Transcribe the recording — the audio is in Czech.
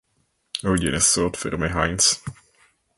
Hodiny jsou od firmy Heinz.